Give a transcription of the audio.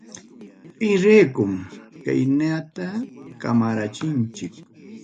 Chayraykum kaynata kamarachinchik.